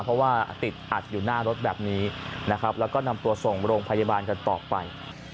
เพราะว่าติดอัดอยู่หน้ารถแบบนี้นะครับแล้วก็นำตัวส่งโรงพยาบาลกันต่อไป